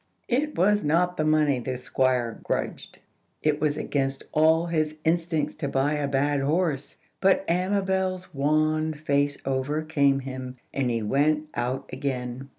It was not the money the Squire grudged; it was against all his instincts to buy a bad horse. But Amabel's wan face overcame him, and he went out again.